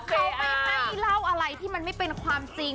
เขาไม่ให้เล่าอะไรที่มันไม่เป็นความจริง